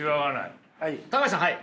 橋さんはい。